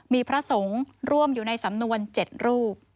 มีพระสงฆ์ร่วมอยู่ในสำนวน๗รูป